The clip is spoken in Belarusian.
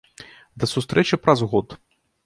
Да сустрэчы праз год!